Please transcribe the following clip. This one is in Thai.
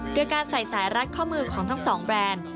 โดยการใส่สายรัดข้อมือของทั้งสองแบรนด์